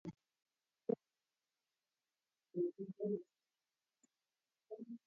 Ambaye jina lake anaitwa Enkai au Engai